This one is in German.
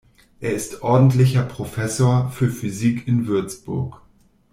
Er ist ordentlicher Professor für Physik in Würzburg.